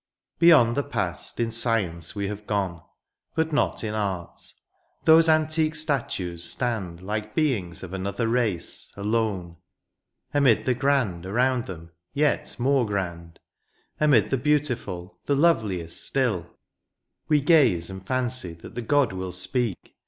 Beyond the past in science we have gone. But not in art — those antique statues stand Like beings of another race, alone. Amid the grand around them yet more grand. Amid the beautiful, the loveliest still ; We gaze and fancy that the god will speak.